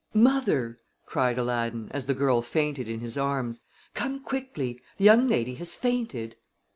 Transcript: "Mother!" cried Aladdin, as the girl fainted in his arms, "come quickly. The young lady has fainted."